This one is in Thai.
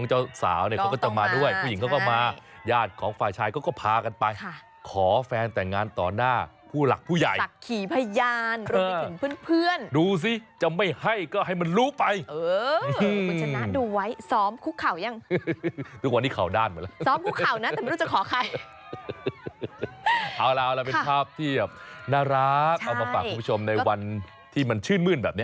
เอามาฝากคุณผู้ชมในวันที่มันชื่นมื้นแบบนี้